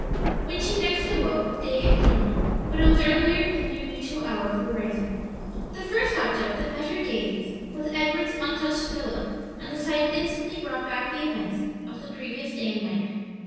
When she next awoke day had dawned, but it was earlier than their usual hour for rising. The first object that met her gaze was Edward's untouched pillow, and the sight instantly brought back the events of the previous day and night.